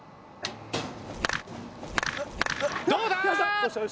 どうだ？